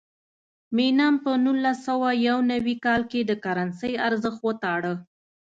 مینم په نولس سوه یو نوي کال کې د کرنسۍ ارزښت وتاړه.